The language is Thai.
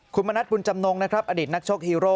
คุณมณัฐบุญจำนงอดิตนักโชคฮีโร่